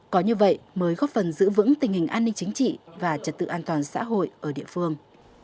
có như vậy mới góp phần giữ vững tình hình an ninh chính trị và trật tự an toàn xã hội ở địa phương